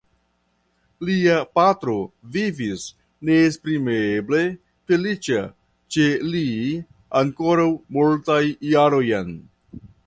Lia patro vivis neesprimeble feliĉa ĉe li ankoraŭ multajn jarojn.